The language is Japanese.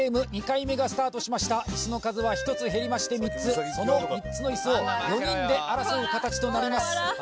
２回目がスタートしましたイスの数は１つ減りまして３つその３つのイスを４人で争う形となります